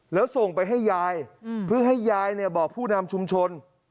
แล้วส่งไปให้ยายเพื่อให้ยายบอกผู้นำชุมชน